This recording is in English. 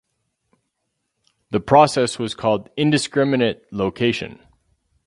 The process was called 'indiscriminate location.